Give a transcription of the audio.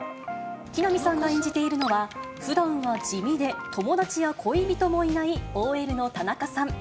木南さんが演じているのは、ふだんは地味で友達や恋人もいないＯＬの田中さん。